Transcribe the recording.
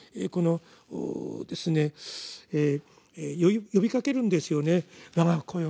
この呼びかけるんですよね。